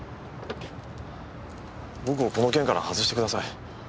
僕をこの件から外してください。